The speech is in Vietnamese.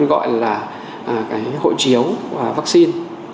gọi là cái hội chiếu và vaccine